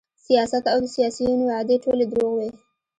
سیاست او د سیاسیونو وعدې ټولې دروغ وې